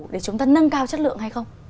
để chúng ta nâng cao chất lượng hay không